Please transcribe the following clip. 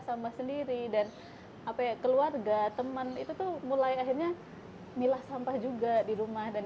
sampah sendiri dan apa ya keluarga teman itu tuh mulai akhirnya milah sampah juga di rumah dan